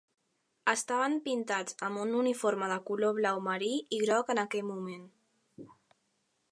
Estaven pintats amb un uniforme de color blau marí i groc en aquell moment.